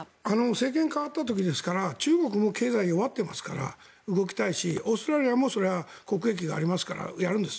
政権が代わった時ですから中国も経済が終わってますから動きたいし、オーストラリアもそれは国益がありますからやるんです。